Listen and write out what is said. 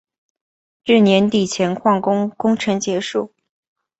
至年底前扩修工程结束。